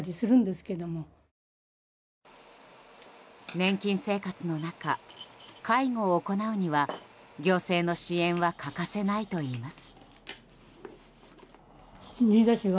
年金生活の中、介護を行うには行政の支援は欠かせないといいます。